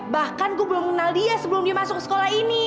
bahkan gue belum kenal dia sebelum dia masuk sekolah ini